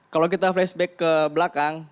kalau kita flashback ke belakang